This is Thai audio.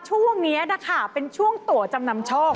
ช่วงนี้นะคะเป็นช่วงตัวจำนำโชค